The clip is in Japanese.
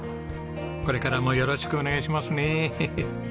これからもよろしくお願いしますね。